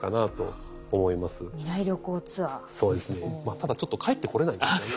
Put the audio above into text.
ただちょっと帰ってこれないですよね。